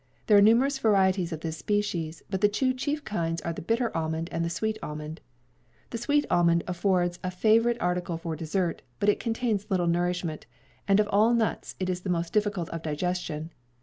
There are numerous varieties of this species, but the two chief kinds are the bitter almond and the sweet almond. The sweet almond affords a favorite article for dessert, but it contains little nourishment, and of all nuts is the most difficult of digestion.